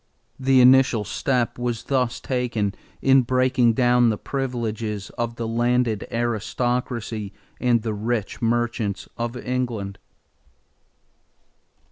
The initial step was thus taken in breaking down the privileges of the landed aristocracy and the rich merchants of England.